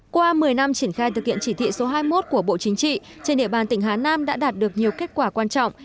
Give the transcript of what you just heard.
qua một mươi năm triển khai thực hiện chỉ thị số hai mươi một của bộ chính trị trên địa bàn tỉnh hà nam đã đạt được nhiều kết quả quan trọng